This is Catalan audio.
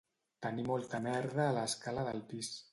Tenir molta merda a l'escala del pis